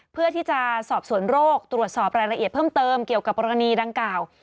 เพื่อที่จะสอบสวนโรคตรวจสอบรายละเอียดเพิ่มเติมเกี่ยวกับกรณีดังกล่าว